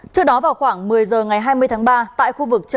trước đó vào khoảng một mươi giờ ngày hai mươi tháng ba tại khu vực